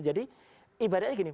jadi ibaratnya gini